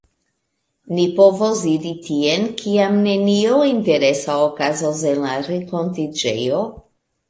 Ni povos iri tien kiam nenio interesa okazos en la renkontiĝejo.